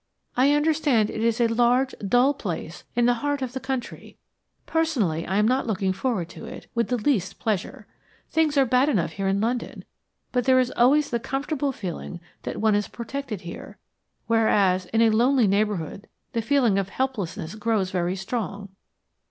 "I understand it is a large, dull place in the heart of the country. Personally I am not looking forward to it with the least pleasure. Things are bad enough here in London, but there is always the comfortable feeling that one is protected here, whereas in a lonely neighborhood the feeling of helplessness grows very strong."